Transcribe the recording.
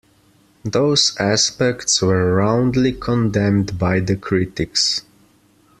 Those aspects were roundly condemned by the critics.